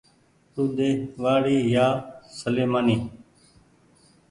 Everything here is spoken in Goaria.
ۮودي وآڙي يا سليمآني